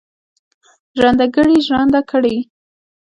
ژرندهګړی ژرنده کړي.